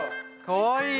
かわいい。